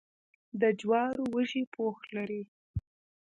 د جوارو وږی پوښ لري.